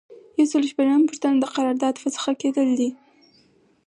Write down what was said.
یو سل او شپږمه پوښتنه د قرارداد فسخه کیدل دي.